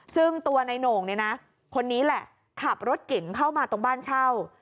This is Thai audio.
ซึ่งตัวนายโหน่งเนี่ยนะคนนี้แหละขับรถเก่งเข้ามาตรงบ้านเช่า